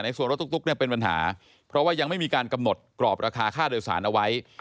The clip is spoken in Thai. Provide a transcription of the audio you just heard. ส่วนรถตุ๊กเนี่ยเป็นปัญหาเพราะว่ายังไม่มีการกำหนดกรอบราคาค่าโดยสารเอาไว้